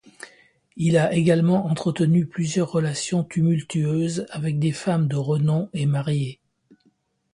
Il a également entretenu plusieurs relations tumultueuses avec des femmes de renom et mariées.